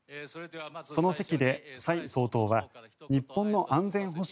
その席で蔡総統は日本の安全保障